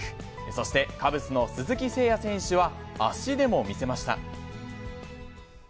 そして、カブスの鈴木誠也選手は、足でも見せました。